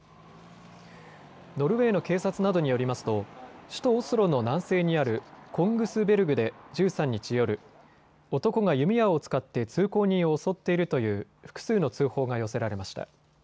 ノルウェーの警察などによりますと首都オスロの南西にあるコングスベルグで１３日夜、男が弓矢を使って通行人を襲っているという複数の通報が寄せられました。